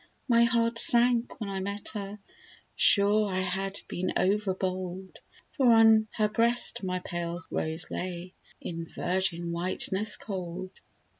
My heart sank when I met her: sure I had been overbold, For on her breast my pale rose lay In virgin whiteness cold.